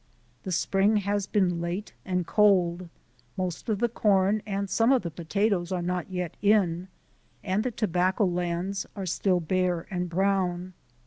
The spring has been late and cold: most of the corn and some of the potatoes are not yet in, and the tobacco lands are still bare and brown.